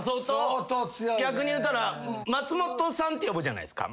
逆に言うたら。って呼ぶじゃないですか。